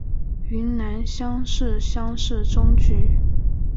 云南乡试乡试中举。